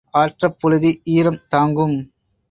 ஆற்றப் புழுதி ஈரம் தாங்கும்.